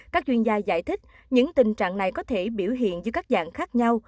các chuyên gia giải thích những tình trạng này có thể biểu hiện dưới các dạng khác nhau